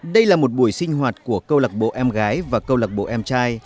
đây là một buổi sinh hoạt của câu lạc bộ em gái và câu lạc bộ em trai